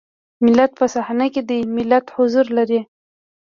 ملت په صحنه کې دی ملت حضور لري.